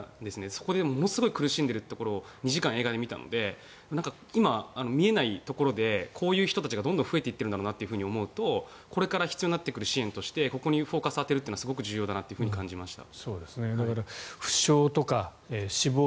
そこでものすごい苦しんでいるのを２時間、映画で見たので今、見えないところでこういう人たちがどんどん増えていっているんだろうなと思うとこれから必要になってくる支援としてここにフォーカスを当てるのは非常に重要だなと感じました。